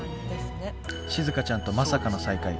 しずかちゃんとまさかの再会。